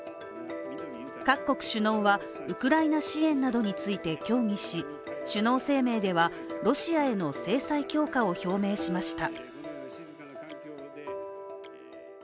各国首脳はウクライナ支援などについて協議し首脳声明では、ロシアへの制裁強化を表明しました。